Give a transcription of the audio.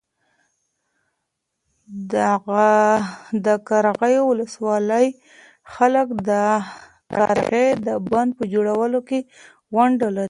د قرغیو ولسوالۍ خلک د قرغې د بند په جوړولو کې ونډه لري.